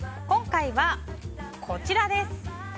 今回は、こちらです。